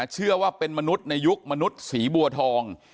เชื่อว่าเป็นมนุษย์ในยุคมนุษย์สีบัวทอง